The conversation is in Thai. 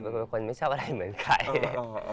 เป็นคนไม่ชอบอะไรเหมือนใคร